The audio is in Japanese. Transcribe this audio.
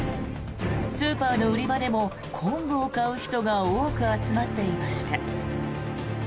スーパーの売り場でも昆布を買う人が多く集まっていました。